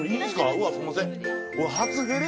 うわっすんません。